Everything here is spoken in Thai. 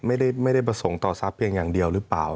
ไม่ได้ประสงค์ต่อทรัพย์เพียงอย่างเดียวหรือเปล่า